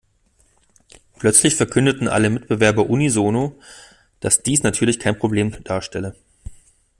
Plötzlich verkündeten alle Mitbewerber unisono, dass dies natürlich kein Problem darstelle.